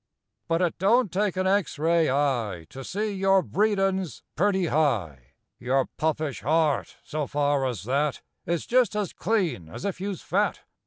But it don't take an X ray eye To see your breedin's purty high— lour puppish heart, so far as that, Is just as clean as if you's fat.